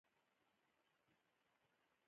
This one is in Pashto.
په زده کړه کې تر ټولو لوی هدف دا دی.